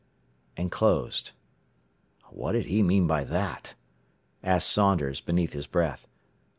and closed. "What did he mean by that?" asked Saunders beneath his breath.